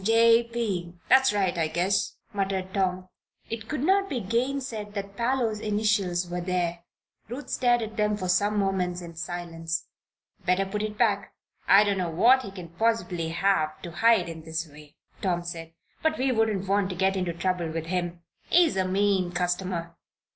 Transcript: "'J. P.' that's right, I guess," muttered Tom. It could not be gainsaid that Parloe's initials were there. Ruth stared at them for some moments in silence. "Better put it back. I don't know what he can possibly have to hide in this way," Tom said. "But we wouldn't want to get into trouble with him. He's a mean customer."